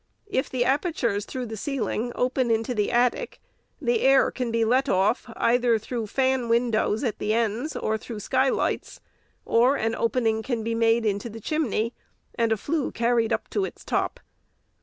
If the apertures through the ceiling open into the attic, the air can be let off, either through fan windows at the ends, or through sky lights ; or an opening can be made into the chimney, and a flue carried up to its top.